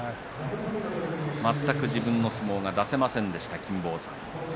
全く自分の相撲が出せませんでした金峰山。